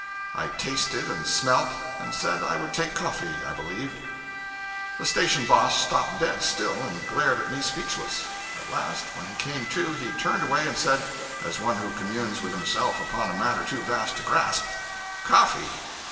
I tasted and smelt, and said I would take coffee, I believed. The station boss stopped dead still, and glared at me speechless. At last, when he came to, he turned away and said, as one who communes with himself upon a matter too vast to grasp: "Coffee!